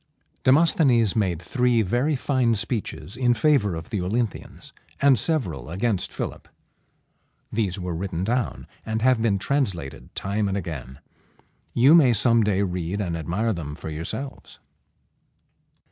Demosthenes made three very fine speeches in favor of the Olynthians, and several against Philip. These were written down, and have been translated time and again. You may some day read and admire them for yourselves.